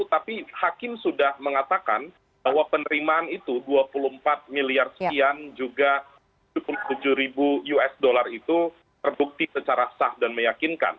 tapi hakim sudah mengatakan bahwa penerimaan itu dua puluh empat miliar sekian juga dua puluh tujuh ribu usd itu terbukti secara sah dan meyakinkan